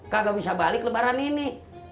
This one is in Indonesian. kagak bisa balik lebaran ini